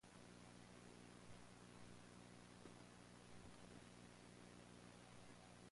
The cameras were fitted with Zeiss Super Speed lenses.